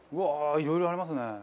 いろいろありますね。